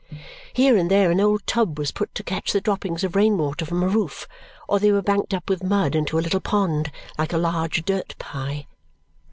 Here and there an old tub was put to catch the droppings of rain water from a roof, or they were banked up with mud into a little pond like a large dirt pie.